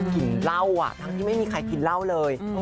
กินเหล้าทั้งที่ไม่มีใครกินเหล้าเลย